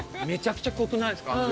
めちゃくちゃ濃くないですか？